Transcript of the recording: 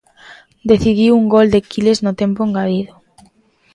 Decidiu un gol de Quiles no tempo engadido.